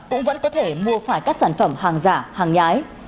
cũng vẫn có thể mua phải các sản phẩm hàng giả hàng nhái